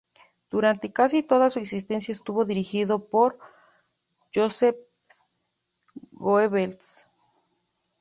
Durante casi toda su existencia estuvo dirigido por Joseph Goebbels.